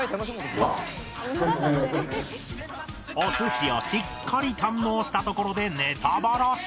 お寿司をしっかり堪能したところでネタばらし